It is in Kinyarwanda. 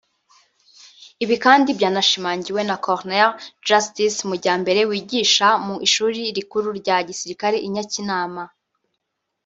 Ibi kandi byanashimangiwe na Col Justice Mujyambere wigisha mu Ishuri rikuru rya gisirikare i Nyakinama